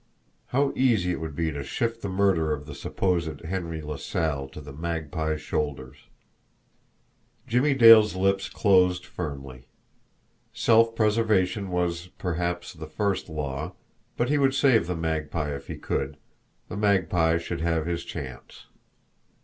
How easy it would be to shift the murder of the supposed Henry LaSalle to the Magpie's shoulders! Jimmie Dale's lips closed firmly. Self preservation was, perhaps, the first law, but he would save the Magpie if he could the Magpie should have his chance!